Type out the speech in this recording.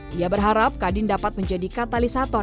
dia berharap kadin dapat menjadi katalisator